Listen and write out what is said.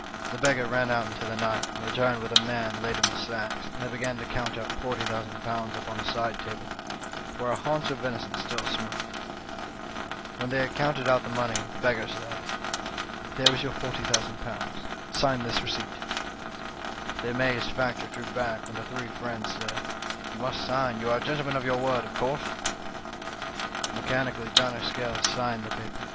" The beggar ran out into the night, and returned with a man laden with sacks, and they began to count out ^40,000 upon a side table, where a haunch of venison still smoked. " When they had counted out the money, the beggar said :" 'There is your ^40,000 ; sign this receipt.' "The amazed factor drew back, when the three friends said :"' You must sign ; you are a gentleman of your word, of course.' " Mechanically John o' Scales signed the paper.